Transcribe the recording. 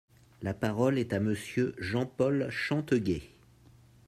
La parole est à Monsieur Jean-Paul Chanteguet.